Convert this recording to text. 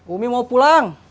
umi mau pulang